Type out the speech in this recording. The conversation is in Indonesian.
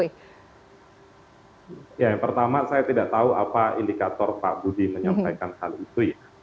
ya yang pertama saya tidak tahu apa indikator pak budi menyampaikan hal itu ya